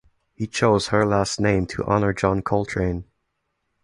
He chose her last name to honor John Coltrane.